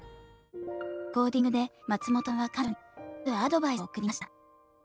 レコーディングで松本さんは彼女にあるアドバイスを送りました。